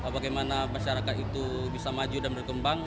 bagaimana masyarakat itu bisa maju dan berkembang